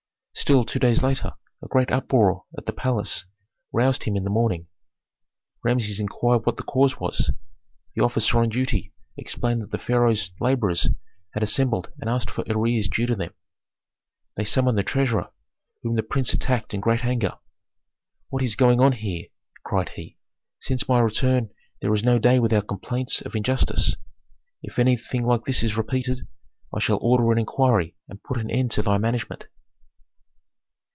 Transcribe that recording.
Still, two days later a great uproar at the palace roused him in the morning. Rameses inquired what the cause was; the officer on duty explained that the pharaoh's laborers had assembled and asked for arrears due them. They summoned the treasurer, whom the prince attacked in great anger. "What is going on here?" cried he. "Since my return there is no day without complaints of injustice. If anything like this is repeated, I shall order an inquiry and put an end to thy management."